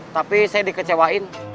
tapi saya dikecewain